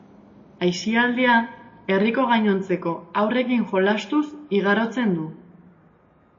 Aisialdia herriko gainontzeko haurrekin jolastuz igarotzen du.